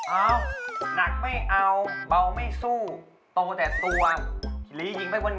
เอาหนักไม่เอาเบาไม่สู้โตแต่ตัวหลียิงไปบน